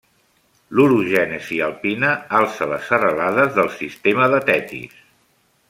L'orogènesi alpina alçà les serralades del sistema de Tetis.